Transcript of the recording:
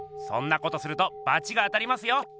そんなことするとバチが当たりますよ。